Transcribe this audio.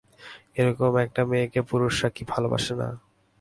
এ রকম একটি মেয়েকে পুরুষরা কি ভালোবাসে না?